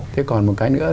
thế còn một cái nữa